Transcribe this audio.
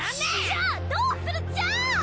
じゃあどうするっちゃ！